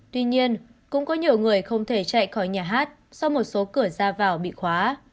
tuy nhiên cũng có nhiều người không thể chạy khỏi nhà hát sau một số cửa ra vào bị khóa